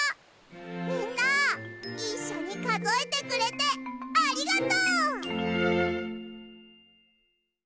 みんないっしょにかぞえてくれてありがとう！